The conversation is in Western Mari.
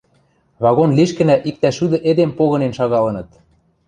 Вагон лишкӹнӓ иктӓ шӱдӹ эдем погынен шагалыныт.